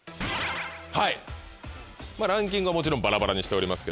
はいランキングはもちろんバラバラにしてありますけども。